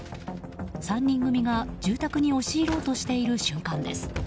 ３人組が住宅に押し入ろうとしている瞬間です。